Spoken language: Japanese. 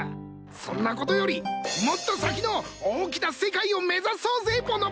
そんなことよりもっと先の大きな世界を目指そうぜぼのぼの！